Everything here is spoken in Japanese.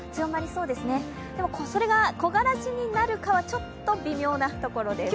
それが木枯らしになるかはちょっと微妙なところです。